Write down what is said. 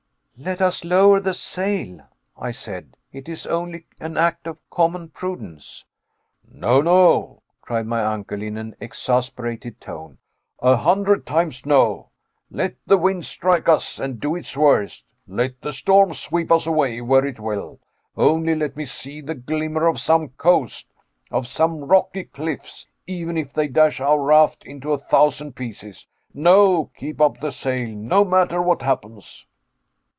"Let us lower the sail," I said, "it is only an act of common prudence." "No no," cried my uncle, in an exasperated tone, "a hundred times, no. Let the wind strike us and do its worst, let the storm sweep us away where it will only let me see the glimmer of some coast of some rocky cliffs, even if they dash our raft into a thousand pieces. No! keep up the sail no matter what happens."